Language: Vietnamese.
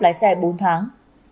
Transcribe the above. lái xe bốn tháng